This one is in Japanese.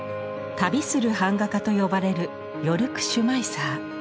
「旅する版画家」と呼ばれるヨルク・シュマイサー。